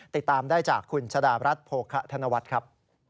ติดตามได้จากคุณชะดารัฐโภคะธนวัฒน์ครับ